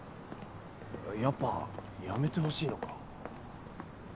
やっぱ辞めてほしいのか？